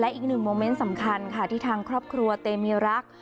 อีกหนึ่งโมเมนต์สำคัญค่ะที่ทางครอบครัวเตมีรัก